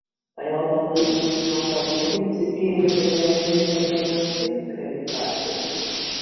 Vai auto līzings un auto kredīts ir pieejami arī aizņēmējiem ar sliktu kredītvēsturi?